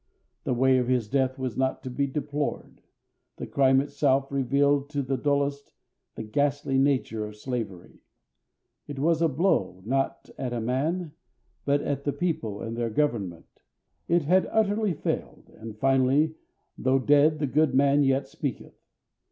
The way of his death was not to be deplored; the crime itself revealed to the dullest the ghastly nature of slavery; it was a blow not at a man, but at the people and their government; it had utterly failed; and, finally, though dead the good man yet speaketh.